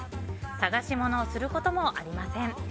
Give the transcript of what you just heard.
探し物をすることもありません。